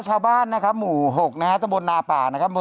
ชาวบ้านหมู่๖นะครับตะบนนาป่านะครับ